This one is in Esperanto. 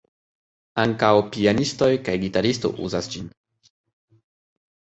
Ankaŭ pianistoj kaj gitaristo uzas ĝin.